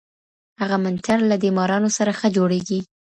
هغه منتر له دې مارانو سره ښه جوړیږي